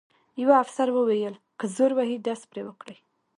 یوه افسر وویل: که زور وهي ډز پرې وکړئ.